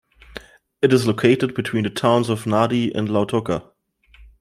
It is located between the towns of Nadi and Lautoka.